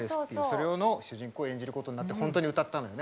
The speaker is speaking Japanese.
それの主人公を演じることになって本当に歌ったのよね